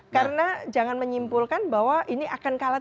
karena jangan menyimpulkan bahwa ini akan kalah